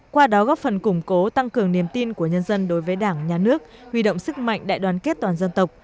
qua đó góp phần củng cố tăng cường niềm tin của nhân dân đối với đảng nhà nước huy động sức mạnh đại đoàn kết toàn dân tộc